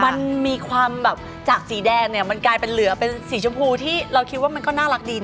มันมีความแบบจากสีแดงเนี่ยมันกลายเป็นเหลือเป็นสีชมพูที่เราคิดว่ามันก็น่ารักดีนะ